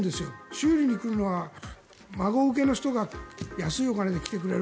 修理に来るのは孫請けの人が安いお金で来てくれる。